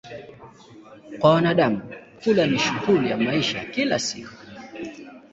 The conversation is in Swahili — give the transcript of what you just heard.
Kwa wanadamu, kula ni shughuli ya maisha ya kila siku.